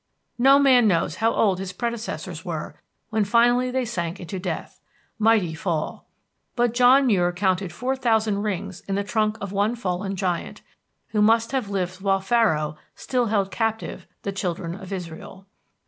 No man knows how old his predecessors were when finally they sank into death mighty fall! But John Muir counted four thousand rings in the trunk of one fallen giant, who must have lived while Pharaoh still held captive the Children of Israel.